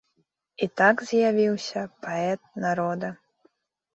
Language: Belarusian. І так з'явіўся паэт народа.